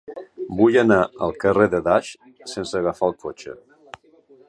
Vull anar al carrer de Das sense agafar el cotxe.